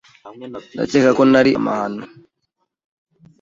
Ndakeka ko nari amahano